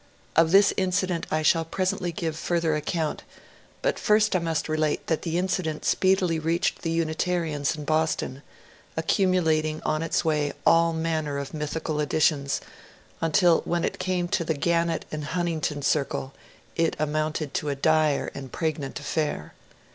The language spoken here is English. Of this incident I shall presently give further account, but first must relate that the incident speedily reached the Unitarians in Boston, accumulating on its way all manner of mythical additions, until when it came to the Gannett and Huntington circle it amounted to a dire and pregnant affair.